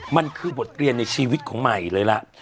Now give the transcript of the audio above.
มันคือบทเรียนในชีวิตของใหม่เลยล่ะ